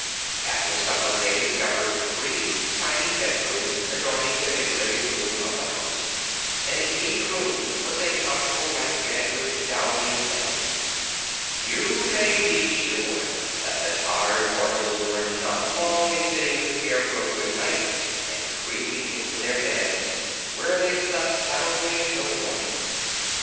After supper they discovered three tiny bedrooms adjoining the big living room of the house, and in each room was a comfortable white bed with downy pillows. You may be sure that the tired mortals were not long in bidding the Scarecrow good night and creeping into their beds, where they slept soundly until morning.